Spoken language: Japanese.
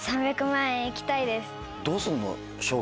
どうすんの？